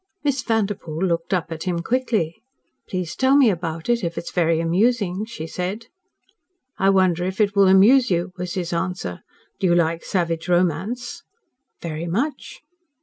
Miss Vanderpoel looked up at him quickly. "Please tell me about it, if it is very amusing," she said. "I wonder if it will amuse you," was his answer. "Do you like savage romance?" "Very much."